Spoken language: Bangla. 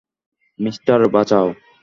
মিস্টার, বাঁচাও!